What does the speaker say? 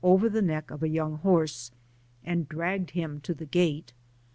359 over the neck of a young horse, and dragged him to the gate.